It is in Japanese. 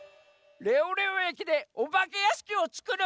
レオレオ駅でおばけやしきをつくる！？